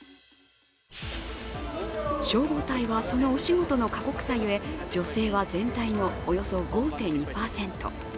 消防隊はそのお仕事の過酷さゆえ女性は全体のおよそ５．２％。